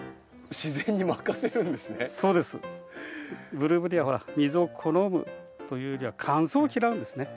ブルーベリーは水を好むというよりは乾燥を嫌うんですね。